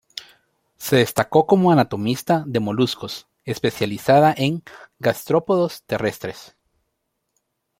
Se destacó como anatomista de moluscos, especializada en gastrópodos terrestres.